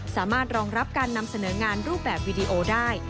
สามารถรองรับการนำเสนองานรูปแบบวีดีโอได้